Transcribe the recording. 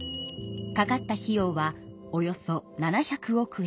かかった費用はおよそ７００億円。